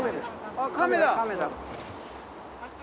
あっカメだ。